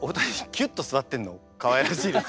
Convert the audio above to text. キュッと座ってんのかわいらしいです。